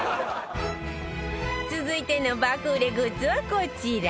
続いての爆売れグッズはこちら